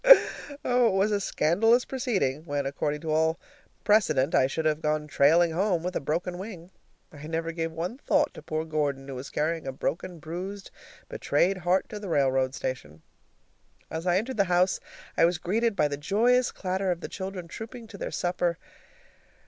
Oh, it was a scandalous proceeding, when, according to all precedent, I should have gone trailing home with a broken wing. I never gave one thought to poor Gordon, who was carrying a broken, bruised, betrayed heart to the railroad station. As I entered the house I was greeted by the joyous clatter of the children trooping to their supper.